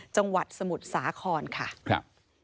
จังหวัดสมุทรสาครค่ะ